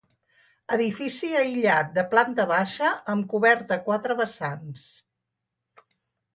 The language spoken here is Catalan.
Edifici aïllat de planta baixa amb coberta a quatre vessants.